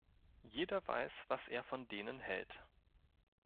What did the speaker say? Jeder weiß was er von denen hält.